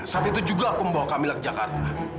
saat itu juga aku membawa camillah ke jakarta